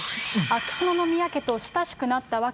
秋篠宮家と親しくなった訳。